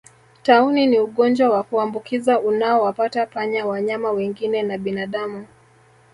Tauni ni ugonjwa wa kuambukiza unaowapata panya wanyama wengine na binadamu